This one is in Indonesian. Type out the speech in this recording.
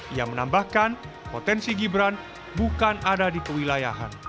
ia menambahkan potensi gibran bukan ada di kewilayahan